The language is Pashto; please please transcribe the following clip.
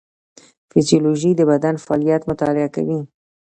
فیزیولوژي د بدن فعالیت مطالعه کوي